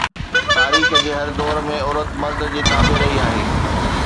تاريخ جي هر دور ۾ عورت مرد جي تابع رهي آهي